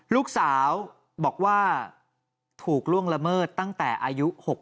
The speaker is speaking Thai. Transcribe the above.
ลูกสาวบอกว่าถูกล่วงละเมิดตั้งแต่อายุ๖๐